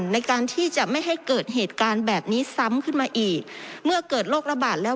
ในการที่จะไม่ให้เกิดเหตุการณ์แบบนี้ซ้ำขึ้นมาอีกเมื่อเกิดโรคระบาดแล้ว